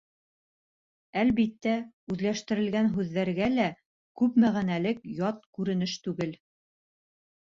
Әлбиттә, үҙләштерелгән һүҙҙәргә лә күп мәғәнәлек ят күренеш түгел.